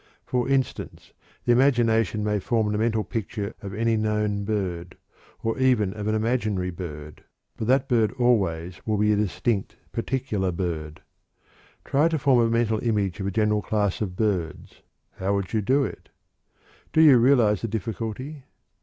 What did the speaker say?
For instance, the imagination may form the mental picture of any known bird, or even of an imaginary bird, but that bird always will be a distinct, particular bird. Try to form a mental picture of the general class of birds how will you do it? Do you realize the difficulty?